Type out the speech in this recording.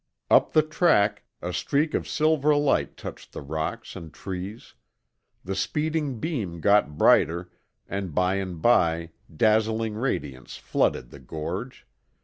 Up the track, a streak of silver light touched the rocks and trees. The speeding beam got brighter, and by and by dazzling radiance flooded the gorge.